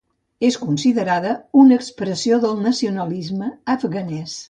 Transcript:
És considerada una expressió del nacionalisme afganès.